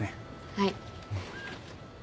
はい。